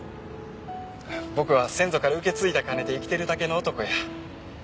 僕は先祖から受け継いだ金で生きてるだけの男や。